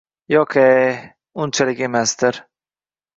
— Io‘q-e, unchalik emasdir?